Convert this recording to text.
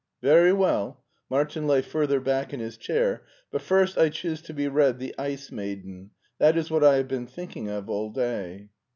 " Very well "— Martin lay further back in his chair —" but first I choose to be read the * Ice Maiden.' That is what I have been thinking of all day."